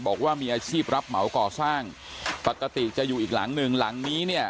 บอกว่ามีอาชีพรับเหมาก่อสร้างปกติจะอยู่อีกหลังหนึ่งหลังนี้เนี่ย